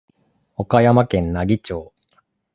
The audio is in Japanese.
岡山県奈義町